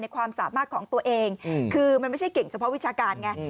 ความสามารถของตัวเองคือมันไม่ใช่เก่งเฉพาะวิชาการไง